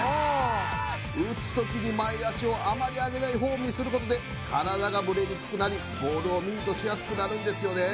打つ時に前脚をあまり上げないフォームにすることで体がブレにくくなりボールをミートしやすくなるんですよね